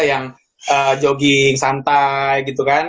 yang jogging santai gitu kan